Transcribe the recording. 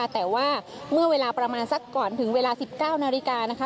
แต่ว่าเมื่อเวลาประมาณสักก่อนถึงเวลา๑๙นาฬิกานะคะ